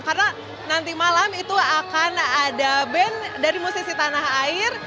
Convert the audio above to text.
karena nanti malam itu akan ada band dari musisi tanah air